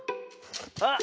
あっ。